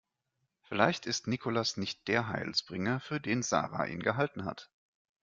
Vielleicht ist Nikolas nicht der Heilsbringer, für den Sarah ihn gehalten hat.